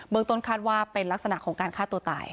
เมืองต้นคาดว่าเป็นลักษณะของการฆ่าตัวตาย